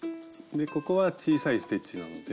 でここは小さいステッチなので。